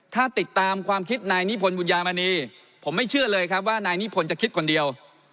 ถ้าติดตามความคิดนายนิพนธบุญญามณีผมไม่เชื่อเลยครับว่านายนิพนธ์จะคิดคนเดียว